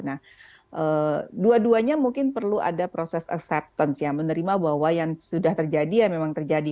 nah dua duanya mungkin perlu ada proses acceptance ya menerima bahwa yang sudah terjadi ya memang terjadi